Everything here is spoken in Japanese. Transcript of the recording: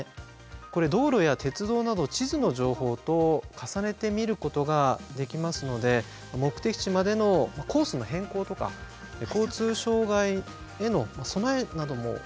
これ道路や鉄道など地図の情報と重ねて見ることができますので目的地までのコースの変更とか交通障害への備えなども役立つんですよね。